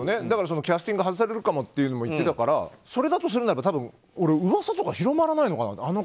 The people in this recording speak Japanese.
だから、キャスティングを外されるかもということを言ってたからそれだとするならば俺、噂とか広がらないのかなって。